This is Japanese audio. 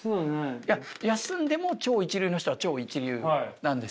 いや休んでも超一流の人は超一流なんですよ。